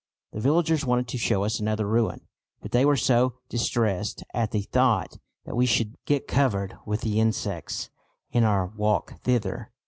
The villagers wanted to show us another ruin, but they were so distressed at the thought that we should get covered with the insects in our walk thither.